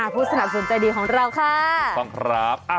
ผู้สนับสนใจดีของเราค่ะขอบคุณครับขอบคุณครับ